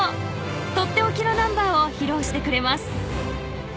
とっておきのナンバーを披露してくれます。